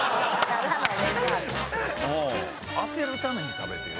当てるために食べてよ。